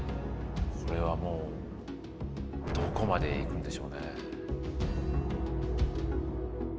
それはもうどこまで行くんでしょうね。